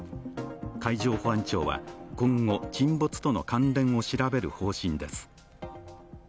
海上保安庁は今後、沈没との関連を調べる方針です。